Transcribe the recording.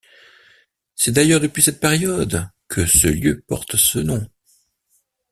C'est d'ailleurs depuis cette période que ce lieu porte ce nom.